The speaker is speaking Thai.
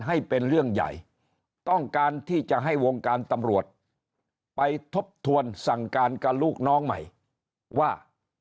ให้เป็นเรื่องใหญ่ต้องการที่จะให้วงการตำรวจไปทบทวนสั่งการกับลูกน้องใหม่ว่า